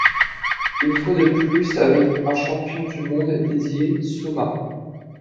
Une fois de plus avec un champion du monde dédié, Soma.